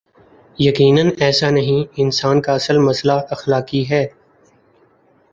یقینا ایسا نہیں انسان کا اصل مسئلہ اخلاقی ہی ہے۔